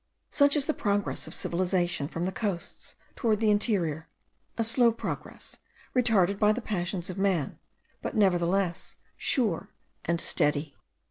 Such is the progress of civilization from the coasts toward the interior; a slow progress, retarded by the passions of man, but nevertheless sure and steady.